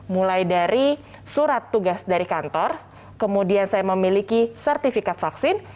mulai dari surat tugas dari kantor kemudian saya memiliki sertifikat vaksin